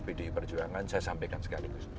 pdi perjuangan saya sampaikan sekaligus